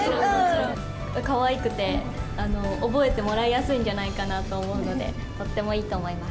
かわいくて、覚えてもらいやすいんじゃないかなと思うので、とってもいいと思います。